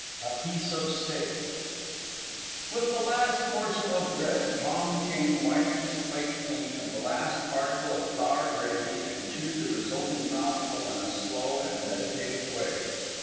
] A PIECE OF STEAK With the last morsel of bread Tom King wiped his plate clean of the last particle of flour gravy and chewed the resulting mouthful in a slow and meditative way.